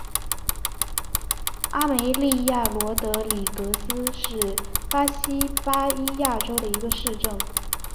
阿梅利娅罗德里格斯是巴西巴伊亚州的一个市镇。